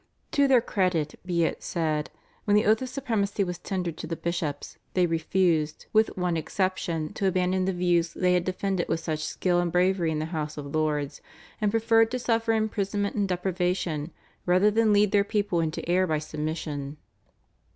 To their credit be it said, when the oath of supremacy was tendered to the bishops they refused with one exception to abandon the views they had defended with such skill and bravery in the House of Lords, and preferred to suffer imprisonment and deprivation rather than lead their people into error by submission.